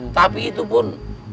tapi itu pun